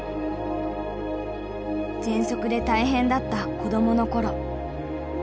ぜんそくで大変だった子どもの頃。